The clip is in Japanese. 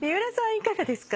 いかがですか？